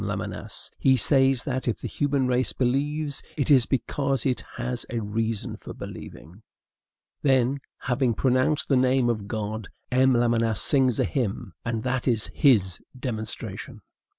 Lamennais. He says that, if the human race believes, it is because it has a reason for believing. Then, having pronounced the name of God, M. Lamennais sings a hymn; and that is his demonstration!